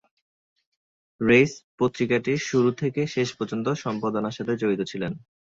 Reis পত্রিকাটির শুরু থেকে শেষ পর্যন্ত সম্পাদনার সাথে জড়িত ছিলেন।